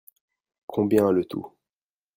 Combien le tout ?